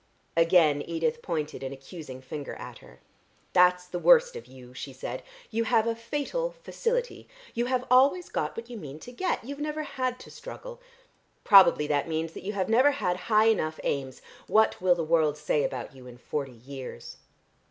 Again Edith pointed an accusing finger at her. "That's the worst of you," she said. "You have a fatal facility. You have always got what you meant to get. You've never had to struggle. Probably that means that you have never had high enough aims. What will the world say about you in forty years?"